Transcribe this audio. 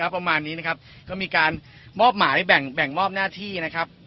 ประมาณนี้นะครับก็มีการมอบหมายแบ่งมอบหน้าที่นะครับ